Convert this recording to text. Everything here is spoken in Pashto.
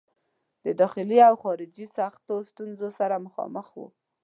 د داخلي او خارجي سختو ستونزو سره مخامخ وو.